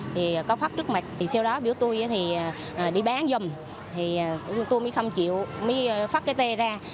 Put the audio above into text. thì có phát trước mặt thì sau đó biểu tôi thì đi bán giùm thì tôi mới không chịu mới phát cái tê ra